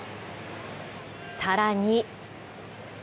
さらに。